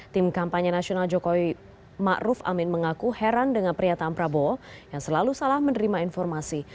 tim kampanye nasional jokowi ⁇ maruf ⁇ amin mengaku heran dengan pernyataan prabowo yang selalu salah menerima informasi